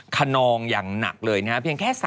ขนองอย่างหนักเลยนะครับเพียงแค่